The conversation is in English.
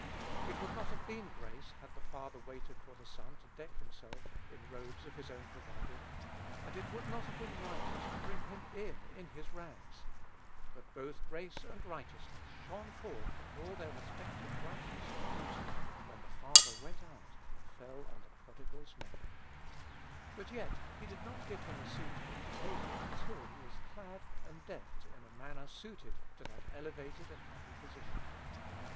It would not have been grace had the father waited for the son to deck himself in robes of his own providing; and it would not have been righteous to bring him in in his rags; but both grace and righteousness shone forth in all their respective brightness and beauty when the father went out and fell on the prodigal's neck; but yet did not give him a seat at the table until he was clad and decked in a manner suited to that elevated and happy position.